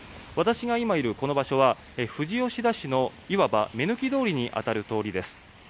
私が今いるこの場所は富士吉田市のいわば目抜き通りに当たる通りです。